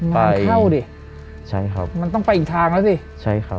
ไปเข้าดิใช่ครับมันต้องไปอีกทางแล้วสิใช่ครับ